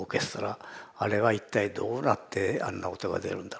あれは一体どうなってあんな音が出るんだろうと。